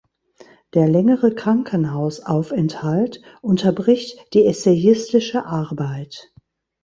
Der längere Krankenhausaufenthalt unterbricht die essayistische Arbeit.